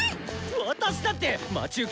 私だって魔ち受け